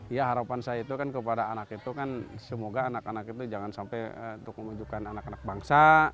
ya harapan saya itu kan kepada anak itu kan semoga anak anak itu jangan sampai untuk memujukan anak anak bangsa